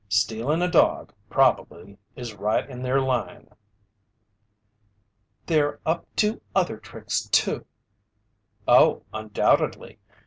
"Stealing a dog probably is right in their line." "They're up to other tricks too!" "Oh, undoubtedly.